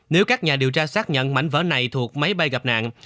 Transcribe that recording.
nếu các nhà điều tra xác nhận mảnh vỡ này thuộc máy bay gặp nạn